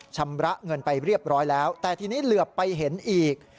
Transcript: ชำระเงินไปเรียบร้อยแล้วแต่ทีนี้เหลือไปเห็นอีก